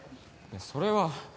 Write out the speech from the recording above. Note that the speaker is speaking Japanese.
それは。